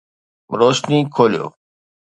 روشني کوليو